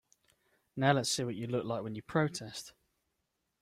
Now let's see what you look like when you protest.